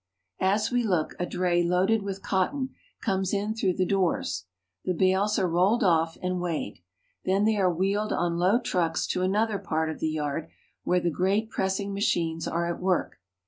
As we look, a dray loaded with cotton comes in through the doors. The bales are rolled off and weighed. Then they are wheeled on low trucks to another part of the yard, where the great pressing machines are at work.